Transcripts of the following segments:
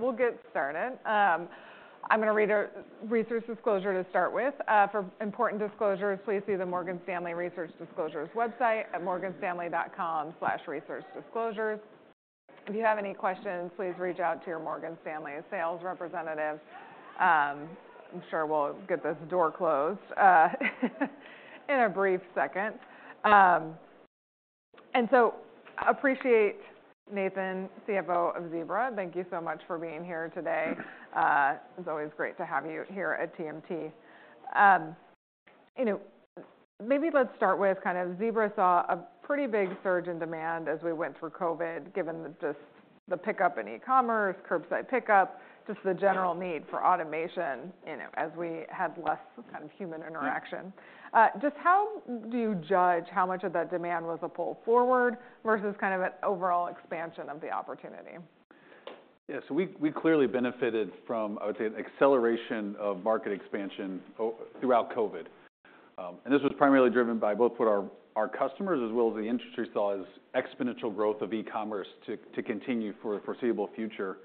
We'll get started. I'm gonna read our research disclosure to start with. For important disclosures, please see the Morgan Stanley Research Disclosures website at morganstanley.com/researchdisclosures. If you have any questions, please reach out to your Morgan Stanley sales representative. I'm sure we'll get this door closed in a brief second. And so I appreciate Nathan, CFO of Zebra. Thank you so much for being here today. It's always great to have you here at TMT. You know, maybe let's start with kind of Zebra saw a pretty big surge in demand as we went through COVID, given the pickup in e-commerce, curbside pickup, just the general need for automation, you know, as we had less kind of human interaction. Yeah. Just how do you judge how much of that demand was a pull forward versus kind of an overall expansion of the opportunity? Yeah. So we clearly benefited from, I would say, an acceleration of market expansion throughout COVID. And this was primarily driven by both what our customers, as well as the industry, saw as exponential growth of e-commerce to continue for the foreseeable future.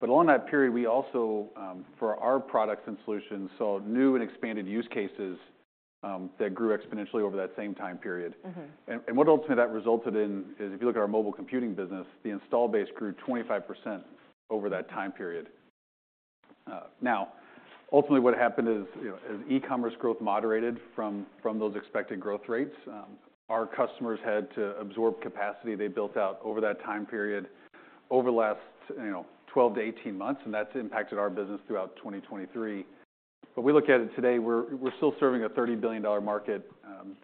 But along that period, we also, for our products and solutions, saw new and expanded use cases that grew exponentially over that same time period. Mm-hmm. What ultimately that resulted in is, if you look at our mobile computing business, the install base grew 25% over that time period. Now, ultimately, what happened is, you know, as e-commerce growth moderated from those expected growth rates, our customers had to absorb capacity they built out over that time period, over the last, you know, 12-18 months, and that's impacted our business throughout 2023. But we look at it today, we're still serving a $30 billion market.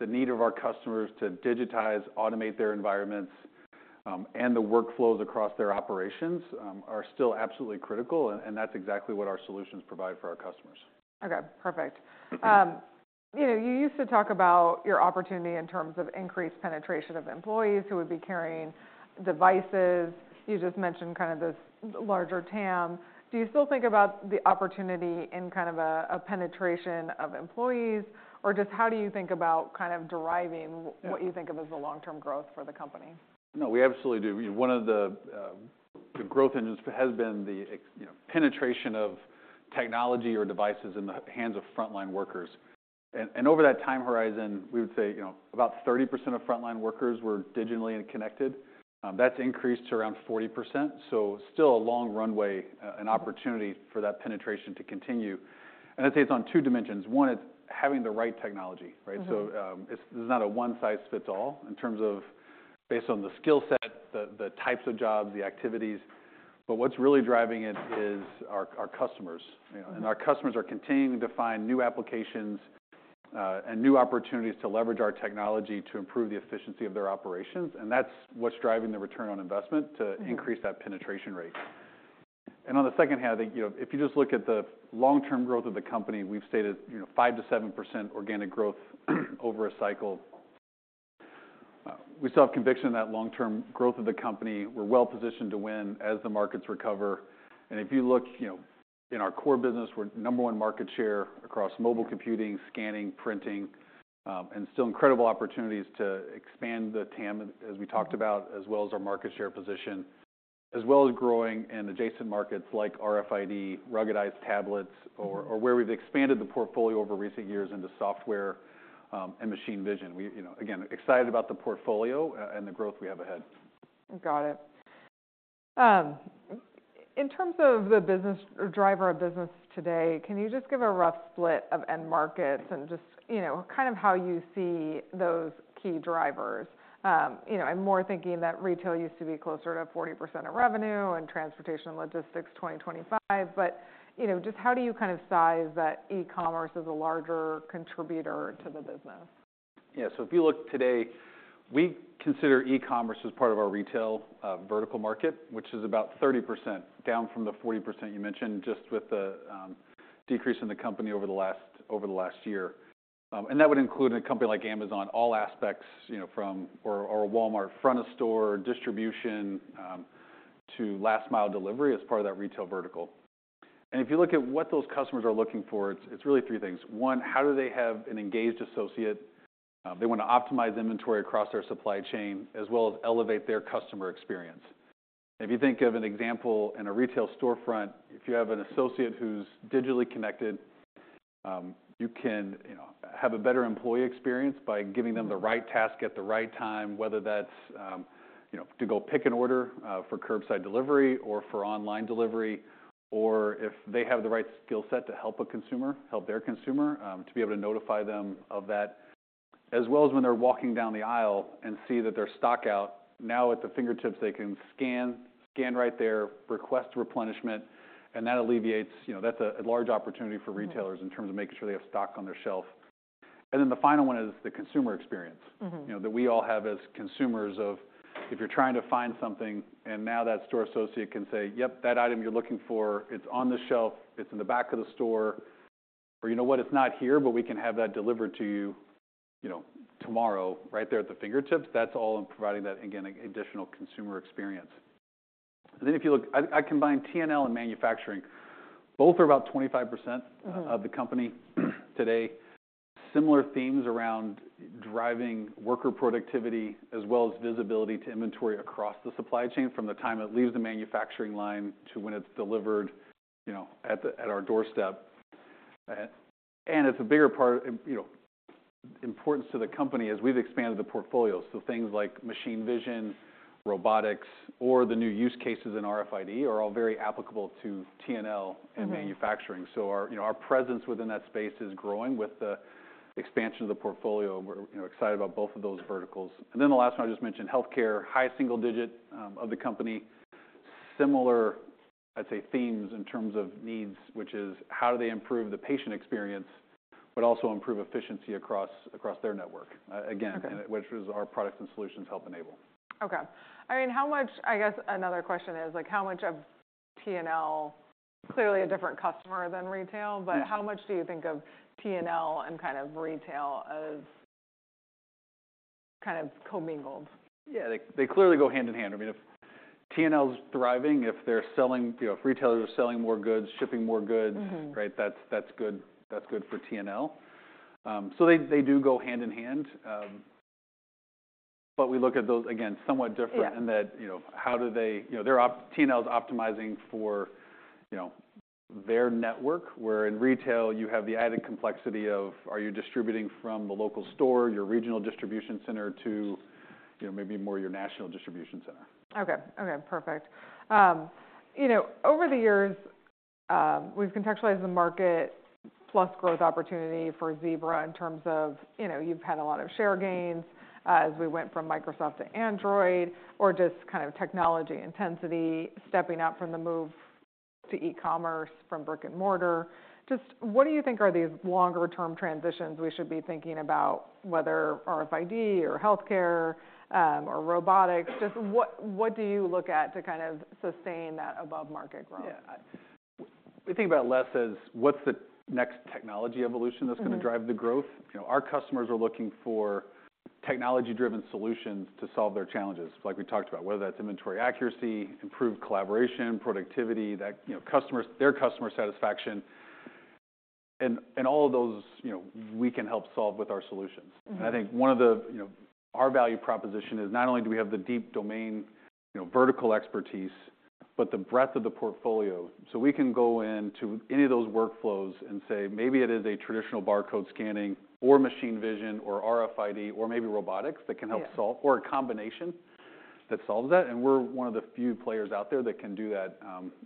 The need of our customers to digitize, automate their environments, and the workflows across their operations are still absolutely critical, and that's exactly what our solutions provide for our customers. Okay, perfect. You know, you used to talk about your opportunity in terms of increased penetration of employees who would be carrying devices. You just mentioned kind of this larger TAM. Do you still think about the opportunity in kind of a penetration of employees, or just how do you think about kind of deriving Yeah What you think of as the long-term growth for the company? No, we absolutely do. One of the growth engines has been the, you know, penetration of technology or devices in the hands of frontline workers. And over that time horizon, we would say, you know, about 30% of frontline workers were digitally connected. That's increased to around 40%, so still a long runway. Mm-hmm An opportunity for that penetration to continue. I'd say it's on two dimensions. One is having the right technology, right? Mm-hmm. So, it's not a one size fits all in terms of based on the skill set, the types of jobs, the activities. But what's really driving it is our customers. Mm-hmm. Our customers are continuing to find new applications, and new opportunities to leverage our technology to improve the efficiency of their operations, and that's what's driving the return on investment. Mm-hmm To increase that penetration rate. And on the second hand, you know, if you just look at the long-term growth of the company, we've stated, you know, 5%-7% organic growth over a cycle. We still have conviction in that long-term growth of the company. We're well positioned to win as the markets recover. And if you look, you know, in our core business, we're number one market share across mobile computing, scanning, printing, and still incredible opportunities to expand the TAM, as we talked about Mm-hmm As well as our market share position, as well as growing in adjacent markets like RFID, ruggedized tablets, or Mm-hmm Or where we've expanded the portfolio over recent years into software, and machine vision. We, you know, again, excited about the portfolio, and the growth we have ahead. Got it. In terms of the business or driver of business today, can you just give a rough split of end markets and just, you know, kind of how you see those key drivers? You know, I'm more thinking that retail used to be closer to 40% of revenue and transportation and logistics, 20%-25%. But, you know, just how do you kind of size that e-commerce as a larger contributor to the business? Yeah. So if you look today, we consider e-commerce as part of our retail vertical market, which is about 30%, down from the 40% you mentioned, just with the decrease in the company over the last year. And that would include a company like Amazon, all aspects, you know, from or a Walmart front-of-store distribution to last mile delivery as part of that retail vertical. And if you look at what those customers are looking for, it's really three things. One, how do they have an engaged associate? They wanna optimize inventory across their supply chain, as well as elevate their customer experience. If you think of an example in a retail storefront, if you have an associate who's digitally connected, you can, you know, have a better employee experience by giving them the right task at the right time, whether that's, you know, to go pick an order, for curbside delivery or for online delivery, or if they have the right skill set to help a consumer, help their consumer, to be able to notify them of that, as well as when they're walking down the aisle and see that they're stockout. Now, at the fingertips, they can scan, scan right there, request replenishment, and that alleviates. You know, that's a large opportunity for retailers Mm-hmm In terms of making sure they have stock on their shelf. And then the final one is the consumer experience Mm-hmm You know, that we all have as consumers of, if you're trying to find something, and now that store associate can say: Yep, that item you're looking for, it's on the shelf, it's in the back of the store, or you know what? It's not here, but we can have that delivered to you, you know, tomorrow, right there at the fingertips. That's all in providing that, again, additional consumer experience. And then, if you look, I combine T&L and manufacturing. Both are about 25% Mm-hmm Of the company today, similar themes around driving worker productivity, as well as visibility to inventory across the supply chain, from the time it leaves the manufacturing line to when it's delivered, you know, at our doorstep. And it's a bigger part, you know, importance to the company as we've expanded the portfolio. So things like Machine Vision, robotics, or the new use cases in RFID are all very applicable to T&L Mm-hmm. -and manufacturing. So our, you know, our presence within that space is growing with the expansion of the portfolio, and we're, you know, excited about both of those verticals. And then the last one I just mentioned, healthcare, high single-digit of the company. Similar, I'd say, themes in terms of needs, which is how do they improve the patient experience, but also improve efficiency across their network? Again Okay Which is our products and solutions help enable. Okay. I mean, how much. I guess another question is, like, how much of T&L, clearly a different customer than retail- Mm-hmm. But how much do you think of T&L and kind of retail as kind of co-mingled? Yeah, they clearly go hand in hand. I mean, if T&L's thriving, if they're selling, you know, if retailers are selling more goods, shipping more goods- Mm-hmm Right, that's, that's good, that's good for T&L. So they, they do go hand in hand. But we look at those, again, somewhat different- Yeah In that, you know, how do they, you know, they're optimizing for, you know, their network, where in retail you have the added complexity of, are you distributing from the local store, your regional distribution center, to, you know, maybe more your national distribution center? Okay. Okay, perfect. You know, over the years, we've contextualized the market plus growth opportunity for Zebra in terms of, you know, you've had a lot of share gains, as we went from Microsoft to Android, or just kind of technology intensity, stepping up from the move to e-commerce from brick-and-mortar. Just what do you think are these longer term transitions we should be thinking about, whether RFID, or healthcare, or robotics? Just what, what do you look at to kind of sustain that above market growth? Yeah. We think about it less as what's the next technology evolution Mm-hmm That's gonna drive the growth. You know, our customers are looking for technology-driven solutions to solve their challenges, like we talked about, whether that's inventory accuracy, improved collaboration, productivity, that, you know, customers, their customer satisfaction. And all of those, you know, we can help solve with our solutions. Mm-hmm. I think one of the, you know, our value proposition is not only do we have the deep domain, you know, vertical expertise, but the breadth of the portfolio. So we can go into any of those workflows and say, maybe it is a traditional barcode scanning, or Machine Vision, or RFID, or maybe robotics Yeah That can help solve, or a combination that solves that, and we're one of the few players out there that can do that,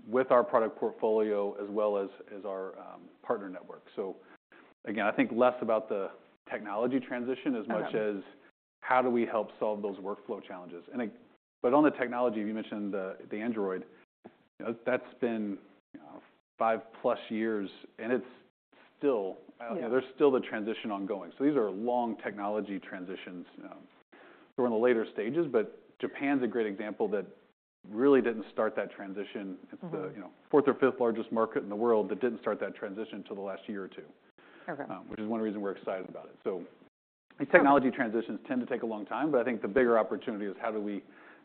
with our product portfolio as well as, as our, partner network. So again, I think less about the technology transition Okay As much as, how do we help solve those workflow challenges? And but on the technology, you mentioned the, the Android. You know, that's been, you know, five+ years, and it's still- Yeah There's still the transition ongoing. So these are long technology transitions. We're in the later stages, but Japan's a great example that really didn't start that transition. Mm-hmm. It's the, you know, fourth or fifth largest market in the world, but didn't start that transition till the last year or two. Okay. which is one reason we're excited about it. So these Yeah Technology transitions tend to take a long time, but I think the bigger opportunity is how do we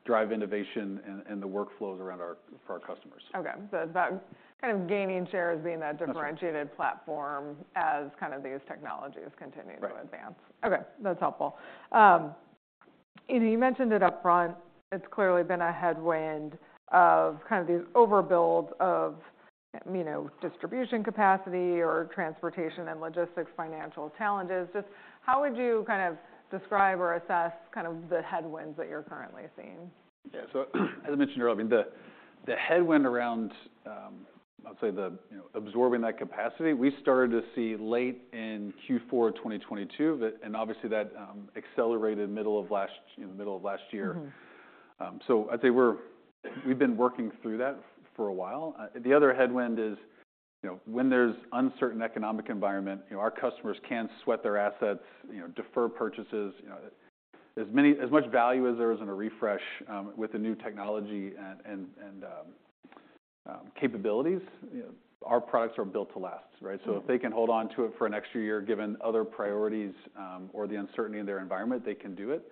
drive innovation and the workflows around our for our customers? Okay. So that kind of gaining shares, being a That's right Differentiated platform as kind of these technologies continue Right To advance. Okay, that's helpful. You know, you mentioned it upfront, it's clearly been a headwind of kind of these overbuild of, you know, distribution capacity or transportation and logistics, financial challenges. Just how would you kind of describe or assess kind of the headwinds that you're currently seeing? Yeah. So as I mentioned earlier, I mean, the headwind around, I'd say the, you know, absorbing that capacity, we started to see late in Q4 of 2022. That, and obviously, accelerated middle of last year, middle of last year. Mm-hmm. So I'd say we've been working through that for a while. The other headwind is, you know, when there's uncertain economic environment, you know, our customers can sweat their assets, you know, defer purchases, you know. As much value as there is in a refresh, with the new technology and capabilities, you know, our products are built to last, right? Mm-hmm. So if they can hold on to it for an extra year, given other priorities, or the uncertainty in their environment, they can do it.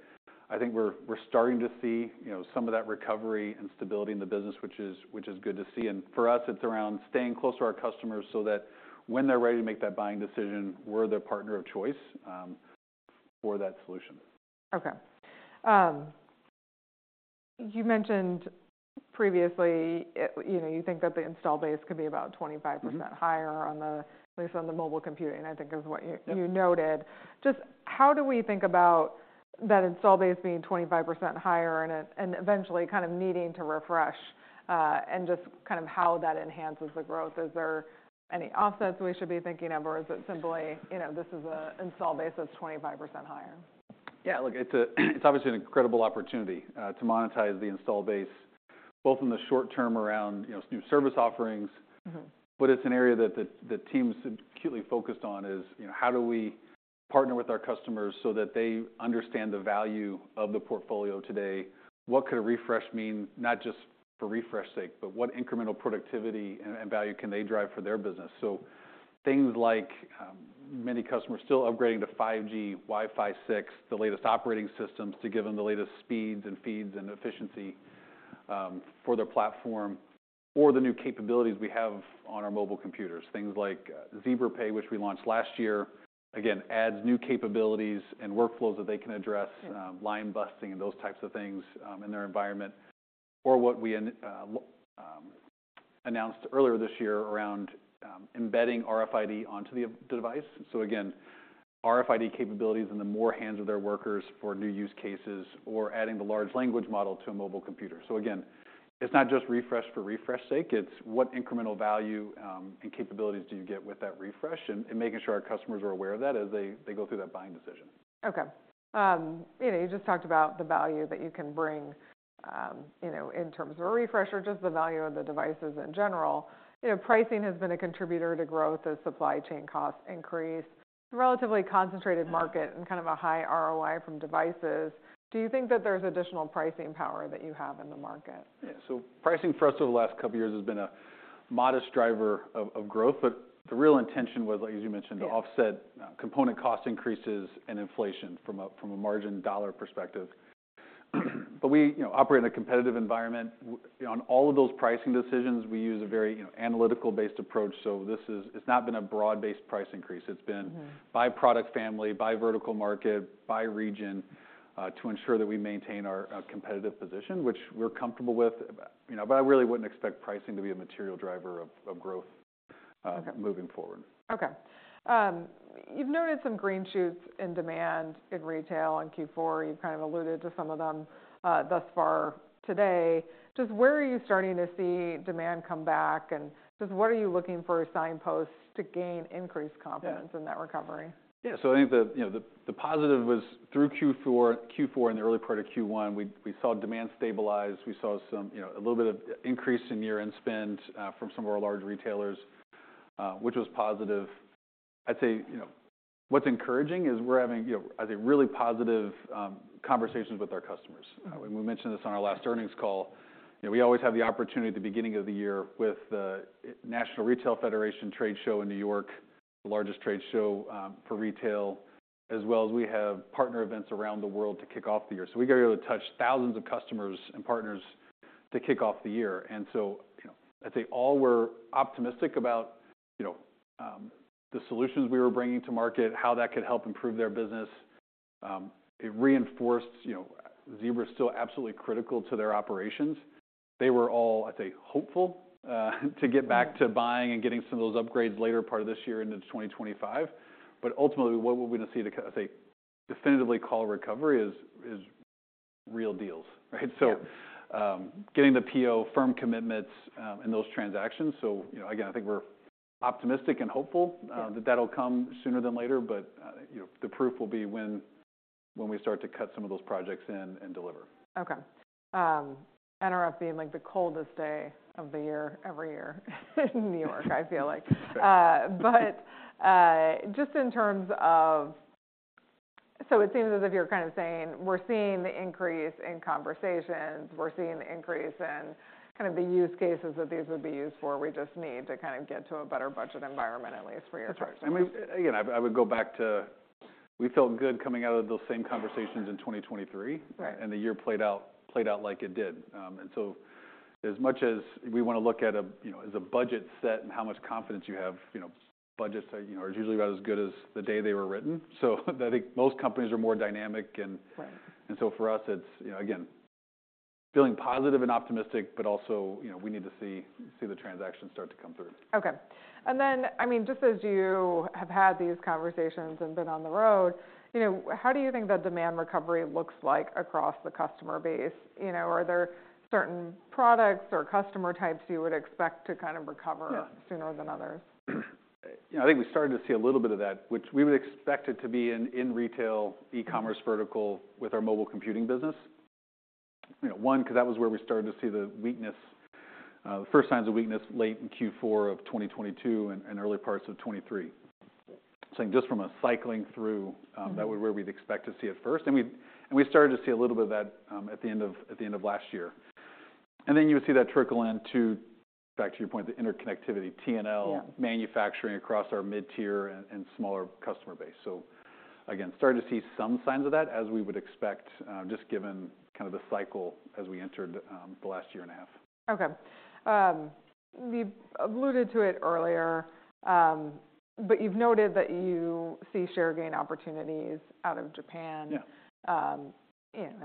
I think we're starting to see, you know, some of that recovery and stability in the business, which is good to see. And for us, it's around staying close to our customers so that when they're ready to make that buying decision, we're their partner of choice, for that solution. Okay. You mentioned previously, you know, you think that the install base could be about 25%. Mm-hmm Higher, at least on the Mobile Computing, I think is what you Yep You noted. Just how do we think about that install base being 25% higher and it, and eventually kind of needing to refresh, and just kind of how that enhances the growth? Is there any offsets we should be thinking of, or is it simply, you know, this is an install base that's 25 higher? Yeah, look, it's obviously an incredible opportunity to monetize the install base, both in the short term around, you know, new service offerings- Mm-hmm But it's an area that the team's acutely focused on, you know, how do we partner with our customers so that they understand the value of the portfolio today? What could a refresh mean, not just for refresh sake, but what incremental productivity and value can they drive for their business? So things like, many customers still upgrading to 5G, Wi-Fi 6, the latest operating systems, to give them the latest speeds, and feeds, and efficiency for their platform or the new capabilities we have on our mobile computers. Things like Zebra Pay, which we launched last year, again, adds new capabilities and workflows that they can address, line busting and those types of things, in their environment. Or what we announced earlier this year around, embedding RFID onto the device. So again, RFID capabilities in more hands of their workers for new use cases, or adding the large language model to a mobile computer. So again, it's not just refresh for refresh sake, it's what incremental value, and capabilities do you get with that refresh, and, and making sure our customers are aware of that as they, they go through that buying decision. Okay. You know, you just talked about the value that you can bring, you know, in terms of a refresh or just the value of the devices in general. You know, pricing has been a contributor to growth as supply chain costs increase. It's a relatively concentrated market and kind of a high ROI from devices. Do you think that there's additional pricing power that you have in the market? Yeah. So pricing for us over the last couple of years has been a modest driver of growth, but the real intention was, as you mentioned Yeah To offset component cost increases and inflation from a margin dollar perspective. But we, you know, operate in a competitive environment. On all of those pricing decisions, we use a very, you know, analytical-based approach. So this is. It's not been a broad-based price increase. Mm-hmm. It's been by product family, by vertical market, by region, to ensure that we maintain our competitive position, which we're comfortable with, you know. But I really wouldn't expect pricing to be a material driver of growth. Okay Moving forward. Okay. You've noted some green shoots in demand in retail in Q4. You've kind of alluded to some of them, thus far today. Just where are you starting to see demand come back, and just what are you looking for signposts to gain increased confidence? Yeah In that recovery? Yeah. So I think, you know, the positive was through Q4 and the early part of Q1, we saw demand stabilize. We saw some, you know, a little bit of increase in year-end spend from some of our large retailers, which was positive. I'd say, you know, what's encouraging is we're having, you know, I'd say, really positive conversations with our customers. Mm-hmm. We mentioned this on our last earnings call, you know, we always have the opportunity at the beginning of the year with the National Retail Federation trade show in New York, the largest trade show for retail, as well as we have partner events around the world to kick off the year. So we get able to touch thousands of customers and partners to kick off the year. And so, you know, I'd say all were optimistic about, you know, the solutions we were bringing to market, how that could help improve their business. It reinforced, you know, Zebra is still absolutely critical to their operations. They were all, I'd say, hopeful Mm-hmm To get back to buying and getting some of those upgrades later part of this year into 2025. But ultimately, what we're going to see, to say, definitively call a recovery is real deals, right? Yeah. So, getting the PO firm commitments, in those transactions. So, you know, again, I think we're optimistic and hopeful Yeah That that'll come sooner than later, but, you know, the proof will be when we start to cut some of those projects in and deliver. Okay. NRF being, like, the coldest day of the year every year in New York, I feel like. Yeah. But, just in terms of. So it seems as if you're kind of saying we're seeing the increase in conversations, we're seeing the increase in kind of the use cases that these would be used for. We just need to kind of get to a better budget environment, at least for your approach. That's right. I mean, again, I, I would go back to, we felt good coming out of those same conversations in 2023. Right. The year played out, played out like it did. And so, as much as we want to look at a, you know, as a budget set and how much confidence you have, you know, budgets are, you know, are usually about as good as the day they were written. So I think most companies are more dynamic and Right And so for us, it's, you know, again, feeling positive and optimistic, but also, you know, we need to see the transactions start to come through. Okay. And then, I mean, just as you have had these conversations and been on the road, you know, how do you think the demand recovery looks like across the customer base? You know, are there certain products or customer types you would expect to kind of recover Yeah Sooner than others? You know, I think we started to see a little bit of that, which we would expect it to be in, in retail, e-commerce vertical with our mobile computing business. You know, one, because that was where we started to see the weakness, the first signs of weakness late in Q4 of 2022 and, and early parts of 2023. So just from a cycling through Mm-hmm That was where we'd expect to see it first. And we started to see a little bit of that at the end of last year. And then you would see that trickle into, back to your point, the interconnectivity, T&L- Yeah Manufacturing across our mid-tier and smaller customer base. So again, starting to see some signs of that, as we would expect, just given kind of the cycle as we entered, the last year and a half. Okay. You alluded to it earlier, but you've noted that you see share gain opportunities out of Japan. Yeah.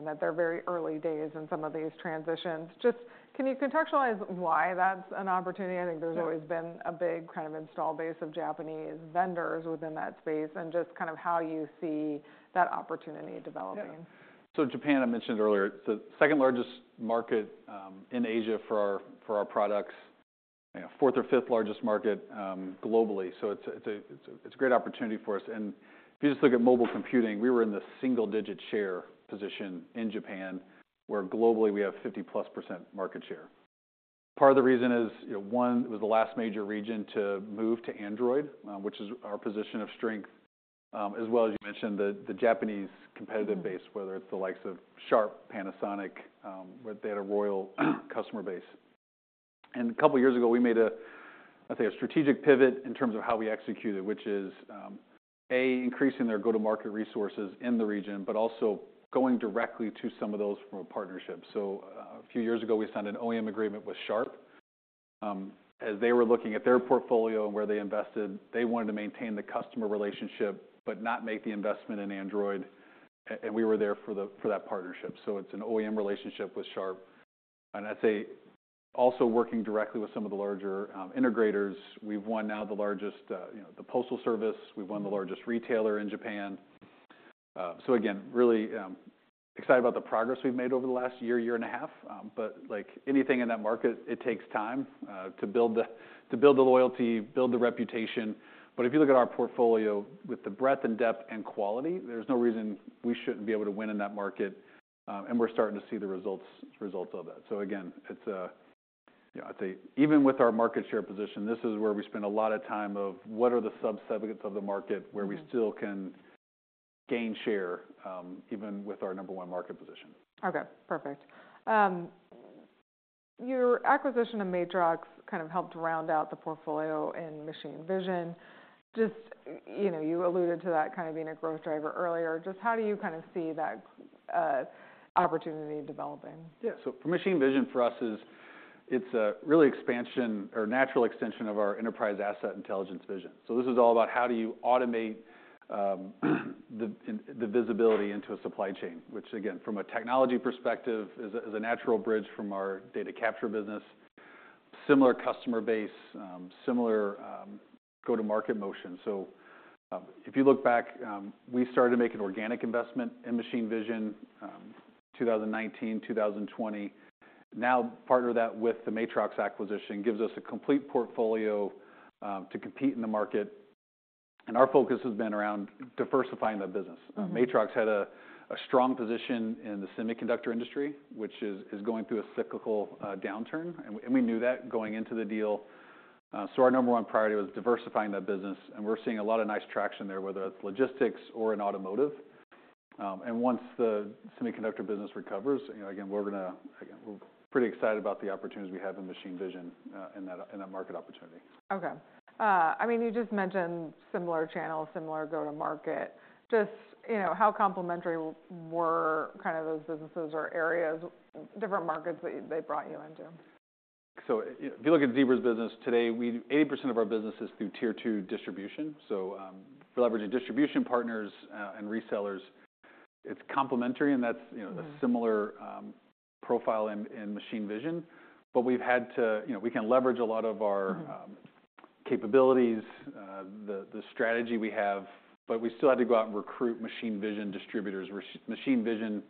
That they're very early days in some of these transitions. Just, can you contextualize why that's an opportunity? Yeah. I think there's always been a big kind of install base of Japanese vendors within that space, and just kind of how you see that opportunity developing. Yeah. So Japan, I mentioned earlier, it's the second largest market in Asia for our, for our products, you know, fourth or fifth largest market globally. So it's a great opportunity for us. And if you just look at mobile computing, we were in the single-digit share position in Japan, where globally we have 50%+ market share. Part of the reason is, you know, one, it was the last major region to move to Android, which is our position of strength. As well, as you mentioned, the Japanese competitive Mm-hmm Base, whether it's the likes of Sharp, Panasonic, they had a loyal customer base. And a couple of years ago, we made a, I'd say, a strategic pivot in terms of how we execute it, which is, A, increasing their go-to-market resources in the region, but also going directly to some of those for partnerships. So, a few years ago, we signed an OEM agreement with Sharp. As they were looking at their portfolio and where they invested, they wanted to maintain the customer relationship, but not make the investment in Android, and we were there for that partnership. So it's an OEM relationship with Sharp. And I'd say, also working directly with some of the larger integrators. We've won now, the largest, you know, the postal service, we've won the largest retailer in Japan. So again, really excited about the progress we've made over the last year and a half. But like anything in that market, it takes time to build the loyalty, build the reputation. But if you look at our portfolio, with the breadth and depth and quality, there's no reason we shouldn't be able to win in that market, and we're starting to see the results of that. So again, it's a, you know, I'd say, even with our market share position, this is where we spend a lot of time of, what are the sub-segments of the market Mm-hmm. - where we still can gain share, even with our number one market position. Okay, perfect. Your acquisition of Matrox kind of helped round out the portfolio in machine vision. Just, you know, you alluded to that kind of being a growth driver earlier. Just how do you kind of see that opportunity developing? Yeah. So for machine vision for us is, it's a really expansion or natural extension of our Enterprise Asset Intelligence vision. So this is all about how do you automate, the visibility into a supply chain, which again, from a technology perspective, is a, is a natural bridge from our data capture business, similar customer base, similar, go-to-market motion. So, if you look back, we started making organic investment in machine vision, 2019, 2020. Now, partner that with the Matrox acquisition, gives us a complete portfolio, to compete in the market, and our focus has been around diversifying the business. Mm-hmm. Matrox had a strong position in the semiconductor industry, which is going through a cyclical downturn, and we knew that going into the deal. So our number one priority was diversifying that business, and we're seeing a lot of nice traction there, whether it's logistics or in automotive. And once the semiconductor business recovers, you know, again, we're gonna, again, we're pretty excited about the opportunities we have in machine vision, in that market opportunity. Okay. I mean, you just mentioned similar channels, similar go-to-market. Just, you know, how complementary were kind of those businesses or areas, different markets that they brought you into? So if you look at Zebra's business today, 80% of our business is through tier two distribution. So, we're leveraging distribution partners and resellers. It's complementary, and that's, you know- Mm A similar profile in Machine Vision. But we've had to, you know, we can leverage a lot of our Mm-hmm Capabilities, the strategy we have, but we still had to go out and recruit machine vision distributors, machine vision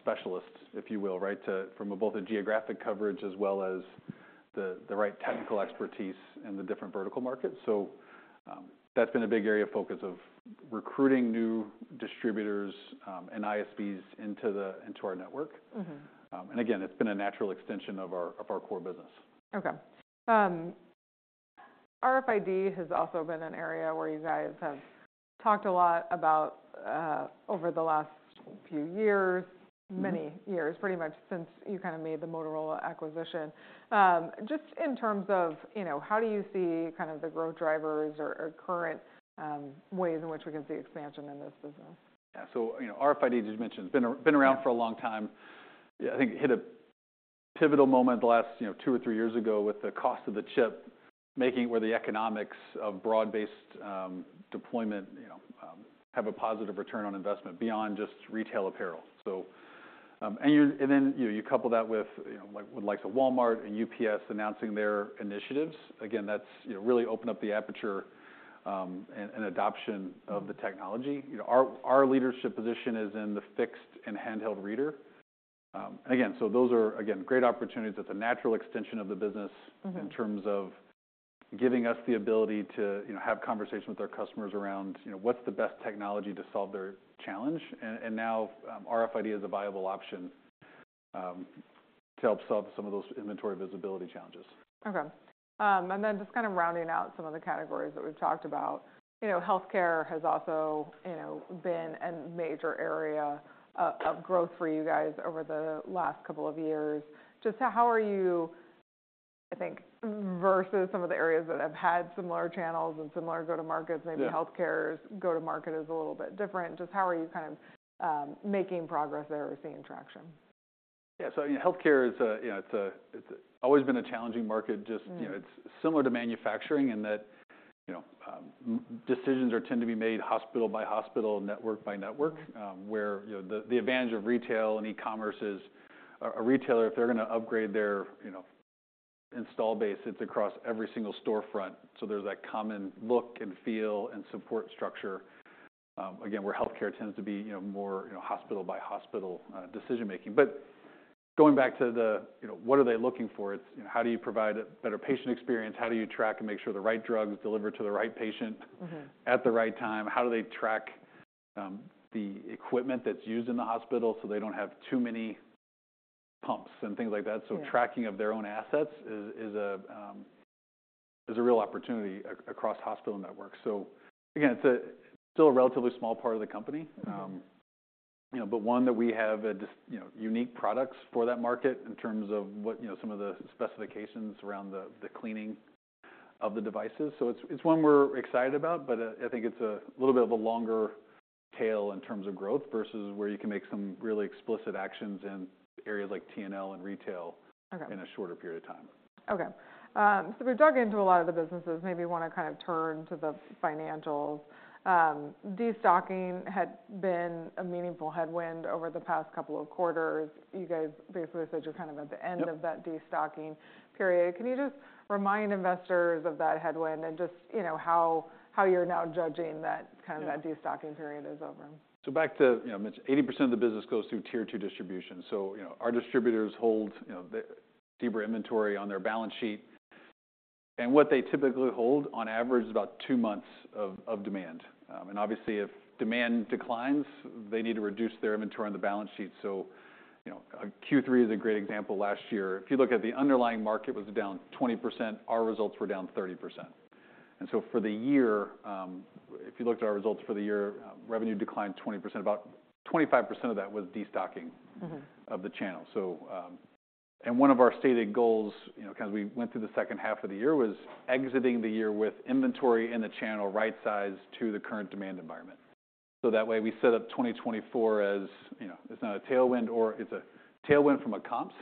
specialists, if you will, right? To, from both a geographic coverage as well as the right technical expertise in the different vertical markets. So, that's been a big area of focus, of recruiting new distributors, and ISVs into our network. Mm-hmm. And again, it's been a natural extension of our core business. Okay. RFID has also been an area where you guys have talked a lot about over the last few years Mm-hmm Many years, pretty much since you kind of made the Motorola acquisition. Just in terms of, you know, how do you see kind of the growth drivers or, or current ways in which we can see expansion in this business? Yeah. So, you know, RFID, as you mentioned, has been around for a long time. I think it hit a pivotal moment the last, you know, two or three years ago, with the cost of the chip, making it where the economics of broad-based deployment, you know, have a positive return on investment beyond just retail apparel. So, and then, you know, you couple that with, you know, like with the likes of Walmart and UPS announcing their initiatives, again, that's, you know, really opened up the aperture, and adoption of the technology. You know, our leadership position is in the fixed and handheld reader. Again, so those are, again, great opportunities. That's a natural extension of the business Mm-hmm In terms of giving us the ability to, you know, have conversations with our customers around, you know, what's the best technology to solve their challenge. And now, RFID is a viable option to help solve some of those inventory visibility challenges. Okay. And then just kind of rounding out some of the categories that we've talked about. You know, healthcare has also, you know, been a major area of growth for you guys over the last couple of years. Just how are you, I think, versus some of the areas that have had similar channels and similar go-to-markets. Yeah Maybe healthcare's go-to-market is a little bit different. Just how are you kind of making progress there or seeing traction? Yeah. So, you know, healthcare is a, you know, it's always been a challenging market. Mm. Just, you know, it's similar to manufacturing in that, you know, decisions tend to be made hospital by hospital, network by network. Mm-hmm. Where, you know, the advantage of retail and e-commerce is a retailer if they're gonna upgrade their, you know, install base, it's across every single storefront. So there's that common look and feel and support structure. Again, where healthcare tends to be, you know, more, you know, hospital by hospital decision-making. But going back to the, you know, what are they looking for? It's, you know, how do you provide a better patient experience? How do you track and make sure the right drug is delivered to the right patient- Mm-hmm At the right time? How do they track the equipment that's used in the hospital, so they don't have too many pumps and things like that? Yeah. So tracking of their own assets is a real opportunity across hospital networks. So again, it's still a relatively small part of the company, you know, but one that we have just, you know, unique products for that market in terms of what, you know, some of the specifications around the cleaning of the devices. So it's one we're excited about, but I think it's a little bit of a longer tail in terms of growth, versus where you can make some really explicit actions in areas like T&L and retail Okay. in a shorter period of time. Okay. So we've dug into a lot of the businesses, maybe want to kind of turn to the financials. Destocking had been a meaningful headwind over the past couple of quarters. You guys basically said you're kind of at the end of that Yep -destocking period. Can you just remind investors of that headwind and just, you know, how you're now judging that, kind of Yeah that destocking period is over? So back to, you know, Meta, 80% of the business goes through Tier Two distribution. So, you know, our distributors hold, you know, the Zebra inventory on their balance sheet, and what they typically hold on average, is about two months of demand. And obviously, if demand declines, they need to reduce their inventory on the balance sheet. So, you know, Q3 is a great example. Last year, if you look at the underlying market, was down 20%, our results were down 30%. And so for the year, if you looked at our results for the year, revenue declined 20%. About 25% of that was destocking Mm-hmm Of the channel. So, one of our stated goals, you know, as we went through the second half of the year, was exiting the year with inventory in the channel, right sized to the current demand environment. So that way, we set up 2024, as, you know, it's not a tailwind or it's a tailwind from a comps.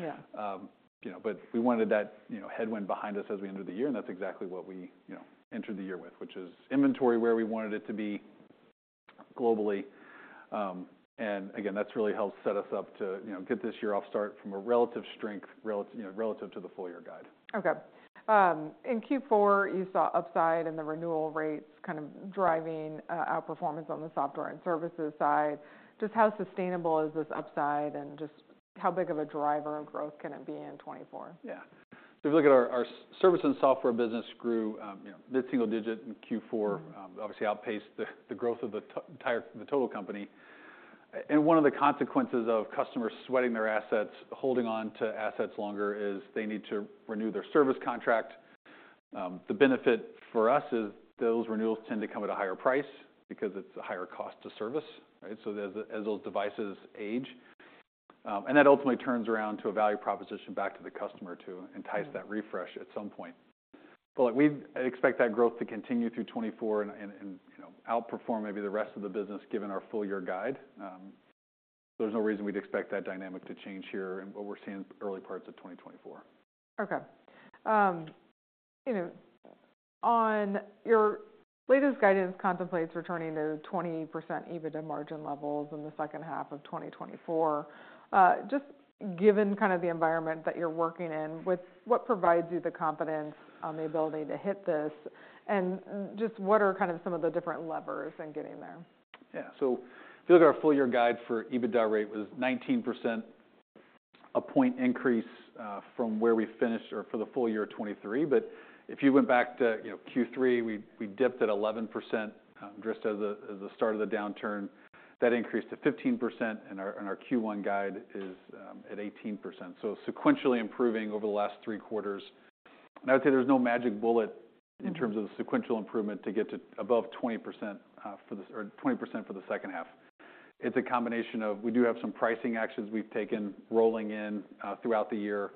Yeah. But we wanted that, you know, headwind behind us as we entered the year, and that's exactly what we, you know, entered the year with, which is inventory where we wanted it to be globally. And again, that's really helped set us up to, you know, get this year off start from a relative strength, relative, you know, relative to the full year guide. Okay. In Q4, you saw upside in the renewal rates kind of driving outperformance on the software and services side. Just how sustainable is this upside? And just how big of a driver of growth can it be in 2024? Yeah. If you look at our service and software business grew, you know, mid-single-digit in Q4. Mm-hmm Obviously outpaced the growth of the entire, the total company. And one of the consequences of customers sweating their assets, holding on to assets longer, is they need to renew their service contract. The benefit for us is those renewals tend to come at a higher price because it's a higher cost to service, right? So as those devices age, and that ultimately turns around to a value proposition back to the customer to entice Mm That refresh at some point. But we expect that growth to continue through 2024 and, you know, outperform maybe the rest of the business, given our full year guide. There's no reason we'd expect that dynamic to change here and what we're seeing early parts of 2024. Okay. You know, on your latest guidance contemplates returning to 20% EBITDA margin levels in the second half of 2024. Just given kind of the environment that you're working in, what, what provides you the confidence on the ability to hit this? And, just what are kind of some of the different levers in getting there? Yeah. So if you look at our full year guide for EBITDA rate was 19%, a point increase from where we finished or for the full year 2023. But if you went back to, you know, Q3, we, we dipped at 11%, just as the, as the start of the downturn. That increased to 15%, and our, and our Q1 guide is at 18%, so sequentially improving over the last three quarters. And I would say there's no magic bullet- Mm In terms of the sequential improvement to get to above 20%, or 20% for the second half. It's a combination of, we do have some pricing actions we've taken, rolling in, throughout the year.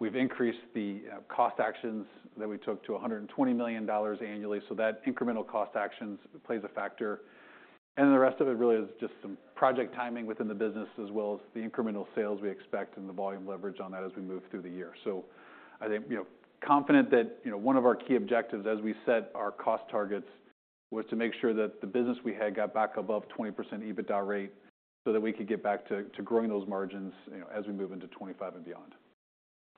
We've increased the cost actions that we took to $120 million annually, so that incremental cost actions plays a factor. And then the rest of it really is just some project timing within the business, as well as the incremental sales we expect and the volume leverage on that as we move through the year. I think, you know, confident that, you know, one of our key objectives as we set our cost targets, was to make sure that the business we had got back above 20% EBITDA rate, so that we could get back to growing those margins, you know, as we move into 25 and beyond.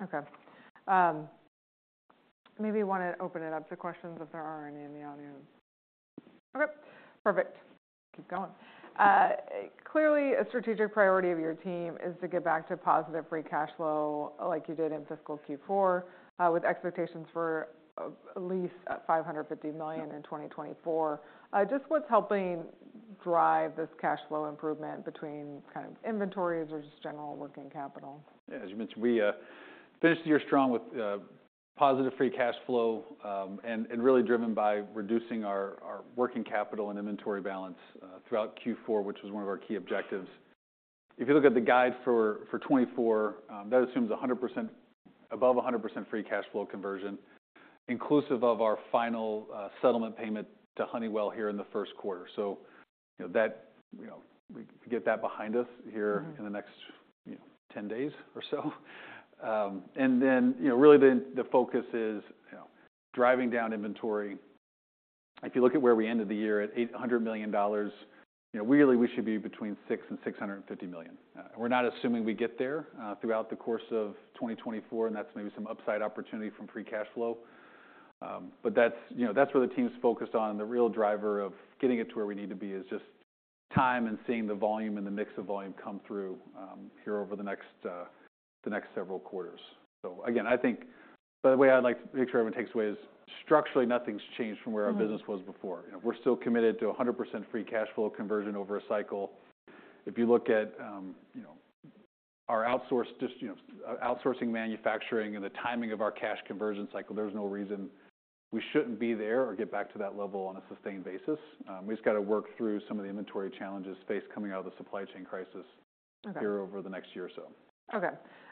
Okay. Maybe want to open it up to questions if there are any in the audience. Okay, perfect. Keep going. Clearly, a strategic priority of your team is to get back to positive free cash flow, like you did in fiscal Q4, with expectations for at least $550 million in 2024. Just what's helping drive this cash flow improvement between kind of inventories or just general working capital? As you mentioned, we finished the year strong with positive free cash flow, and really driven by reducing our working capital and inventory balance throughout Q4, which was one of our key objectives. If you look at the guide for 2024, that assumes 100%, above 100% free cash flow conversion, inclusive of our final settlement payment to Honeywell here in the first quarter. So you know that, we get that behind us here Mm-hmm In the next, you know, 10 days or so. And then, you know, really the focus is, you know, driving down inventory. If you look at where we ended the year, at $800 million, you know, really, we should be between $600 million and $650 million. We're not assuming we get there throughout the course of 2024, and that's maybe some upside opportunity from free cash flow. But that's, you know, that's where the team is focused on. The real driver of getting it to where we need to be is just time and seeing the volume and the mix of volume come through here over the next several quarters. So again, I think, by the way, I'd like to make sure everyone takes away is, structurally, nothing's changed from where- Mm Our business was before. You know, we're still committed to 100% free cash flow conversion over a cycle. If you look at our outsourced, just, you know, outsourcing manufacturing and the timing of our cash conversion cycle, there's no reason we shouldn't be there or get back to that level on a sustained basis. We've just got to work through some of the inventory challenges faced coming out of the supply chain crisis Okay. - here over the next year or so. Okay.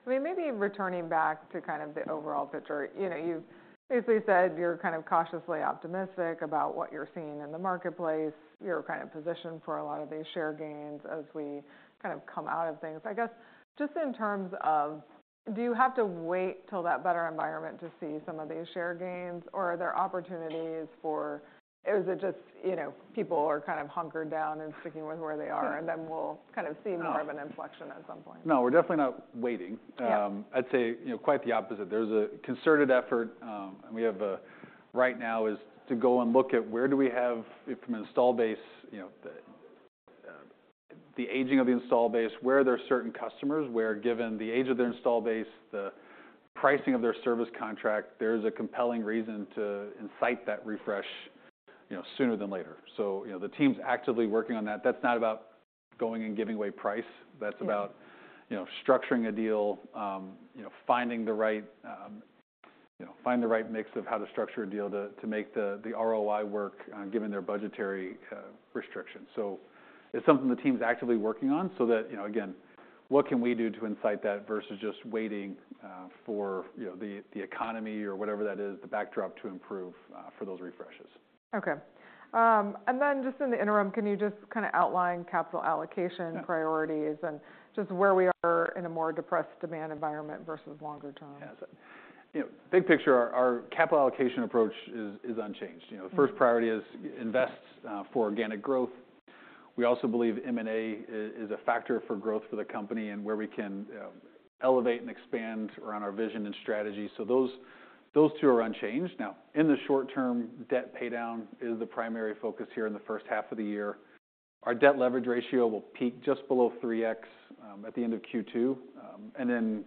I mean, maybe returning back to kind of the overall picture. You know, you've basically said you're kind of cautiously optimistic about what you're seeing in the marketplace. You're kind of positioned for a lot of these share gains as we kind of come out of things. I guess, just in terms of, do you have to wait till that better environment to see some of these share gains? Or are there opportunities for, is it just, you know, people are kind of hunkered down and sticking with where they are Sure. and then we'll kind of see more of an inflection at some point? No, we're definitely not waiting. Yeah. I'd say, you know, quite the opposite. There's a concerted effort, and we have right now is to go and look at where we have, from an install base, you know, the aging of the install base, where there are certain customers, where, given the age of their install base, the pricing of their service contract, there's a compelling reason to incite that refresh, you know, sooner than later. You know, the team's actively working on that. That's not about going and giving away price. Yeah. That's about, you know, structuring a deal, you know, finding the right mix of how to structure a deal to make the ROI work, given their budgetary restrictions. So it's something the team's actively working on, so that, you know, again, what can we do to incite that versus just waiting for, you know, the economy or whatever that is, the backdrop to improve for those refreshes? Okay. And then, just in the interim, can you just kind of outline capital allocation Yeah - priorities and just where we are in a more depressed demand environment versus longer term? Yes. You know, big picture, our capital allocation approach is unchanged. Mm-hmm. You know, first priority is invest for organic growth. We also believe M&A is a factor for growth for the company and where we can elevate and expand around our vision and strategy. So those two are unchanged. Now, in the short term, debt paydown is the primary focus here in the first half of the year. Our debt leverage ratio will peak just below 3x at the end of Q2 and then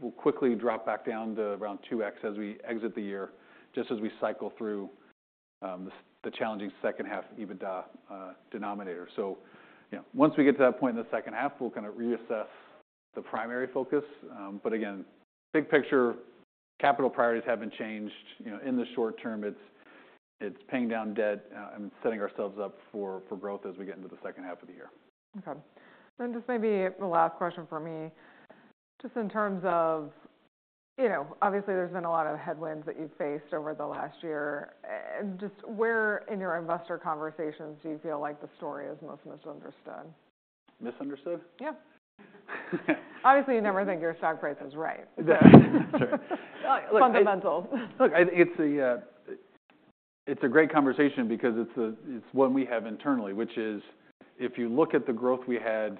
will quickly drop back down to around 2x as we exit the year, just as we cycle through the challenging second half EBITDA denominator. So, you know, once we get to that point in the second half, we'll kind of reassess the primary focus. But again, big picture, capital priorities haven't changed. You know, in the short term, it's paying down debt, and setting ourselves up for growth as we get into the second half of the year. Okay. Then just maybe the last question for me, just in terms of, you know, obviously, there's been a lot of headwinds that you've faced over the last year. Just where in your investor conversations do you feel like the story is most misunderstood? Misunderstood? Yeah. Obviously, you never think your stock price is right. Sure. Fundamentals. Look, it's a great conversation because it's one we have internally, which is, if you look at the growth we had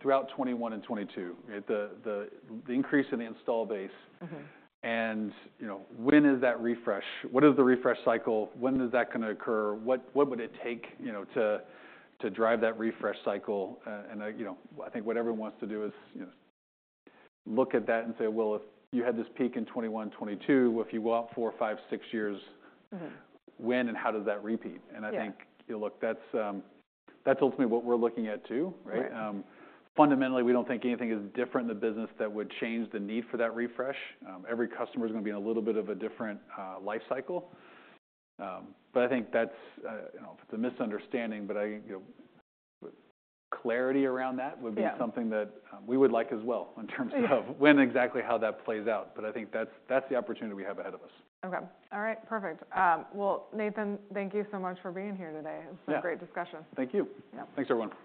throughout 2021 and 2022, the increase in the install base- Mm-hmm And, you know, when is that refresh? What is the refresh cycle? When is that gonna occur? What, what would it take, you know, to drive that refresh cycle? And, you know, I think what everyone wants to do is, you know, look at that and say: Well, if you had this peak in 2021, 2022, if you go out four, five, six years- Mm-hmm When and how does that repeat? Yeah. I think, you look, that's, that's ultimately what we're looking at too, right? Right. Fundamentally, we don't think anything is different in the business that would change the need for that refresh. Every customer is gonna be in a little bit of a different life cycle. But I think that's, you know, the misunderstanding. But I, you know, clarity around that. Yeah Would be something that, we would like as well, in terms of Yeah When exactly how that plays out. But I think that's, that's the opportunity we have ahead of us. Okay. All right, perfect. Well, Nathan, thank you so much for being here today. Yeah. It's been a great discussion. Thank you. Yeah. Thanks, everyone.